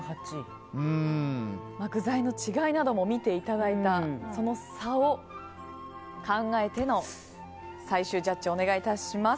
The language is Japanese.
具材の違いなども見ていただいたその差を考えての最終ジャッジをお願いします。